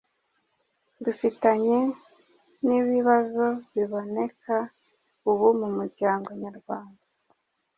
bifitanye n’ibibazo biboneka ubu mu muryango Nyarwanda